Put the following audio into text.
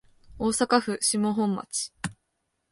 大阪府島本町